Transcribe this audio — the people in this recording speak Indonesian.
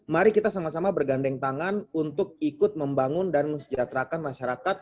mari kita sama sama bergandeng tangan untuk ikut membangun dan mesejahterakan masyarakat